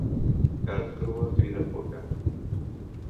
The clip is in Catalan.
Carn crua crida purga.